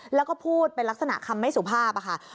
แล้วก็พูดเป็นลักษณะคำไม่สุภาพค่ะ